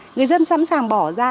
người dân sẵn sàng bỏ ra